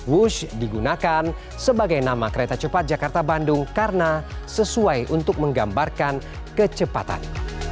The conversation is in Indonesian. wush digunakan sebagai nama kereta cepat jakarta bandung karena sesuai untuk menggambarkan kecepatan